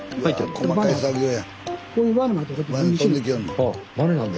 細かい作業や。